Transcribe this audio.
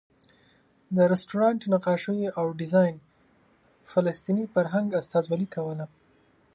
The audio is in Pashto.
د رسټورانټ نقاشیو او ډیزاین فلسطیني فرهنګ استازولې کوله.